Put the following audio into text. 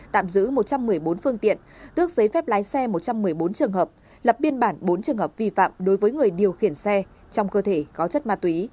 tạm giữ một trăm một mươi bốn phương tiện tước giấy phép lái xe một trăm một mươi bốn trường hợp lập biên bản bốn trường hợp vi phạm đối với người điều khiển xe trong cơ thể có chất ma túy